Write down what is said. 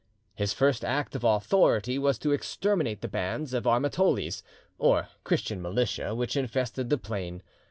His first act of authority was to exterminate the bands of Armatolis, or Christian militia, which infested the plain.